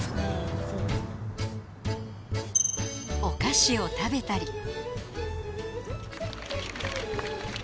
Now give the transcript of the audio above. お菓子を食べたり。